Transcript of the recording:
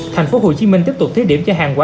thành phố hồ chí minh tiếp tục thiết điểm cho hàng quán